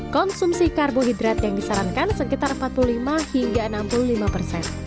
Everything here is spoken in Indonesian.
konsumsi karbohidrat yang disarankan sekitar empat puluh lima hingga enam puluh lima persen